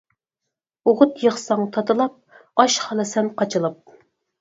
ئوغۇت يىغساڭ تاتىلاپ، ئاش خالىسەن قاچىلاپ.